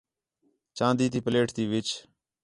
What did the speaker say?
چاندی تی پلیٹ تی وِچ